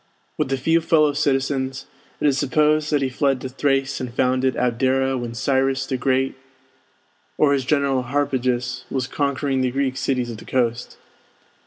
With a few fellow citizens, it is supposed that he fled to Thrace and founded Abdera when Cyrus the Great, or his general Harpagus, was conquering the Greek cities of the coast.